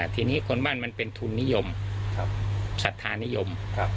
ทีนี้คนบ้านมันเป็นทุนนิยมศรัทธานิยม